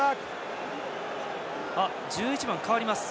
１１番、代わります。